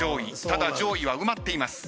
ただ上位は埋まっています。